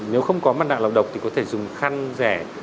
nếu không có mặt nạ lọc độc thì có thể dùng khăn rẻ